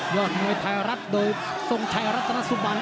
อดมวยไทยรัฐโดยทรงชัยรัตนสุบัน